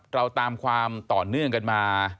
เราตามความต่อเนื่องกันมา